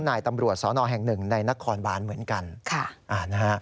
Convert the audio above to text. นายตำรวจสอนแห่ง๑นักคอนบ้านเหมือนกัน